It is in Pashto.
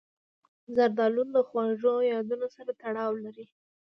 زردالو له خواږو یادونو سره تړاو لري.